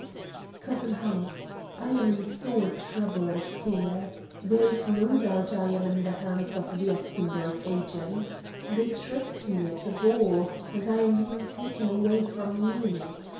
"COUSIN HANS, I am in sore trouble and fear. There is no doubt I am in the hands of the Ostenburg agents they tricked me at the ball, and I am being taken away from Munich.